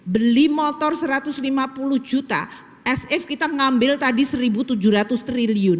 beli motor satu ratus lima puluh juta saf kita ngambil tadi rp satu tujuh ratus triliun